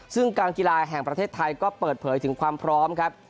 ซึ่งการกีฬาแห่งประเทศไทยก็เปิดเผยถึงความพร้อมครับ